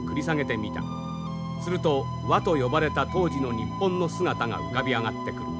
すると倭と呼ばれた当時の日本の姿が浮かび上がってくる。